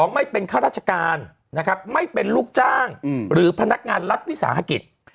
ไม่เป็นข้าราชการนะครับไม่เป็นลูกจ้างหรือพนักงานรัฐวิสาหกิจ